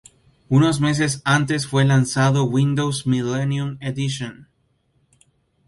Unos meses antes fue lanzado Windows Millenium Edition.